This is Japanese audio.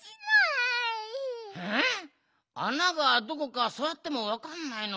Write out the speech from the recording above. あながどこかさわってもわかんないのかな？